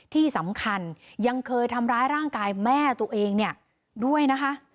ที่สำคัญยังเคยทำร้ายร่างกายแม่ตัวเองเนี่ยด้วยนะคะ